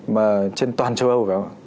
mà trên toàn châu âu phải không ạ